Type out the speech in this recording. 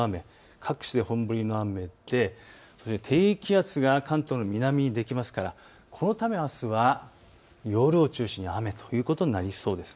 各地で本降りの雨で低気圧が関東の南にできますからこのためあすは夜を中心に雨ということになりそうです。